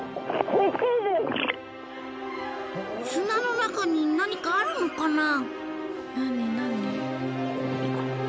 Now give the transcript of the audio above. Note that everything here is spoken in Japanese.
砂の中に何かあるのかな？